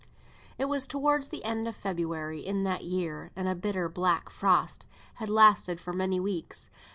It was towards the end of February, in that year, and a bitter black frost had lasted for many weeks.